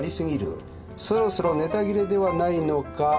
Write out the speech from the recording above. そろそろネタ切れではないのか？」